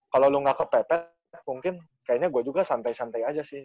kalau lo gak kepepet mungkin kayaknya gue juga santai santai aja sih